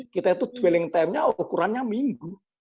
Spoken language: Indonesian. kita itu dwelling time nya ukurannya minggu